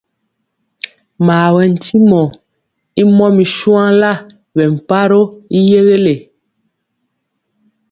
Mawɛtyimɔ y mɔmir shuanla bɛ mparoo y yɛgɛle.